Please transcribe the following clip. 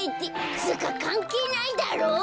つうかかんけいないだろう。